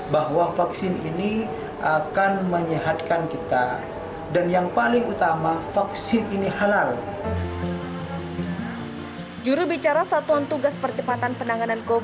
bahwa vaksin ini akan menyehatkan kita dan yang paling utama vaksin ini halal